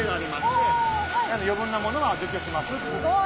すごい。